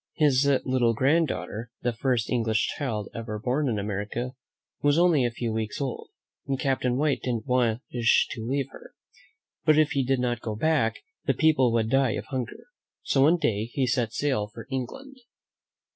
His little granddaughter, the first English child ever born in America, was only a few weeks old, and Cap tain White didn't wish to leave her; but if he did not go back, the people would die of hun ger. So one fine day he set sail for England.